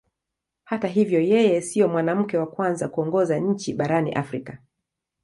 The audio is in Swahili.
Hata hivyo yeye sio mwanamke wa kwanza kuongoza nchi barani Afrika.